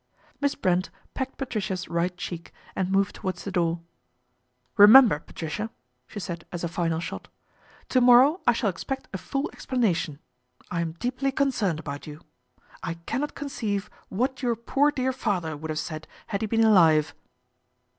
Miss Brent pecked Patricia's right cheek and moved towards the door. " Remember, Patricia,' she said, as a final shot, " to morrow I shall ex pect a full explanation. I am deeply concerned about you. I cannot conceive what your poor dear father would have said had he been alive.'